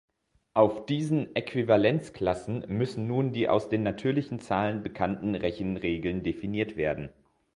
Auf diesen Äquivalenzklassen müssen nun die aus den natürlichen Zahlen bekannten Rechenregeln definiert werden.